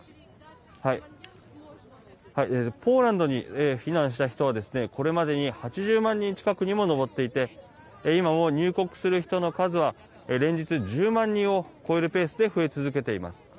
ポーランドに避難した人はこれまでに８０万人近くにも上っていて今も入国する人の数は連日、１０万人を超えるペースで増え続けています。